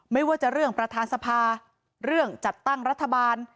ไม่ว่าจะเรื่องประธานสภาเรื่องจัดตั้งรัฐบาล